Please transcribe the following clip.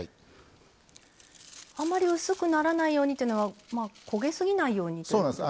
あまり薄くならないようにというのは焦げすぎないようにということですか？